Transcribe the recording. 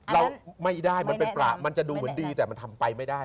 เราไม่ได้มันเป็นประมันจะดูเหมือนดีแต่มันทำไปไม่ได้